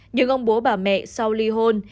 nhưng ông bố bà mẹ sau ly hôn